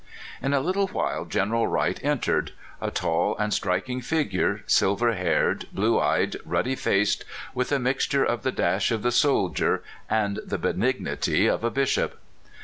In a little while General Wright entered a tall and striking figure, silver haired, blue eyed, ruddy 16 242 CALIFORNIA SKETCHES. faced, with a mixture of the dash of the soldier and the benignity of a bishop.